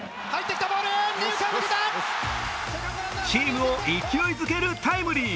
チームを勢いづけるタイムリー。